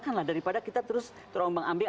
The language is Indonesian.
kan lah daripada kita terus terombang ambil